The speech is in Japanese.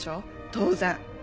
当然！